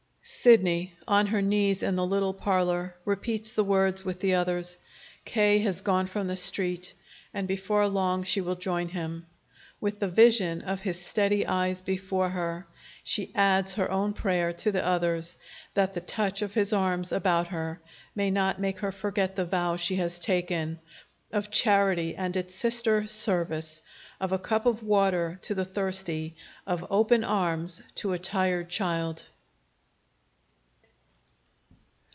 Sidney, on her knees in the little parlor, repeats the words with the others. K. has gone from the Street, and before long she will join him. With the vision of his steady eyes before her, she adds her own prayer to the others that the touch of his arms about her may not make her forget the vow she has taken, of charity and its sister, service, of a cup of water to the thirsty, of open arms to a tired child.